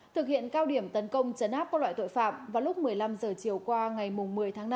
thực hiện cao điểm tấn công chấn áp các loại tội phạm vào lúc một mươi năm h chiều qua ngày một mươi tháng năm